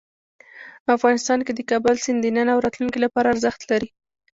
افغانستان کې د کابل سیند د نن او راتلونکي لپاره ارزښت لري.